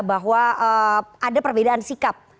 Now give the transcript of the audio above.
bahwa ada perbedaan sikap